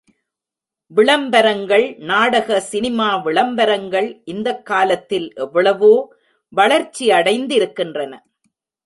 விளம்பரங்கள் நாடக சினிமா விளம்பரங்கள் இந்தக் காலத்தில் எவ்வளவோ வளர்ச்சியடைந்திருக்கின்றன.